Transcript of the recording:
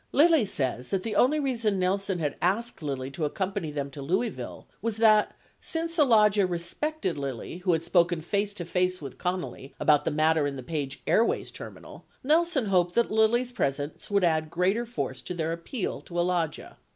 57 Lilly says that the only reason Nelson had asked Lilly to accompany them to Louisville was that, since Alagia respected Lilly who had spoken face to face with Connally about the matter in the Page Air ways Terminal, Nelson hoped that Lilly's presence would add greater force to their appeal to Alagia.